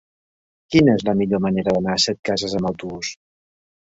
Quina és la millor manera d'anar a Setcases amb autobús?